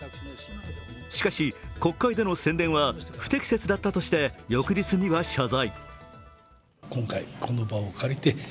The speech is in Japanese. しかし、国会での宣伝は不適切だったとして翌日には謝罪。